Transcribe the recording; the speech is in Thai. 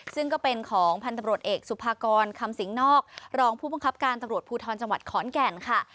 ซึ่งก็เป็นของพันธบรวจเอกสุภากรคำสิงหนอกรองผู้บังคับการตำรวจภูทรจังหวัดขอนแก่นค่ะ